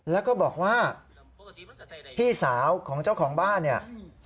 แล้วก็บอกว่าพี่สาวของเจ้าของบ้านเนี่ย